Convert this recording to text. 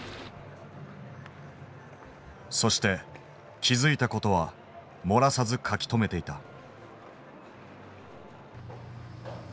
そして気付いたことは漏らさず書き留めていた。